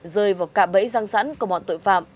rơi vào cạ bẫy răng sẵn của bọn tội phạm